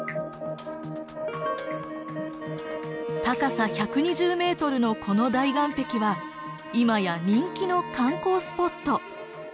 高さ１２０メートルのこの大岩壁は今や人気の観光スポット。